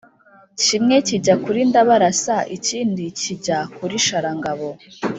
kimwe kijya kuri ndabarasa ikindi kijya kuri sharangabo.